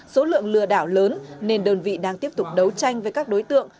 số lượng lừa đảo lớn nên đơn vị đang tiếp tục đấu tranh với các đối tượng